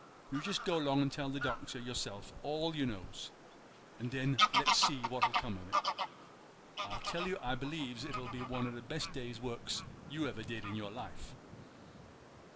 You just go 'long and tell de Doctor yo'self all you knows, and den let's see what'll come on't. I tell you I b'lieves it'll be one o' the best day's works you ever did in your life.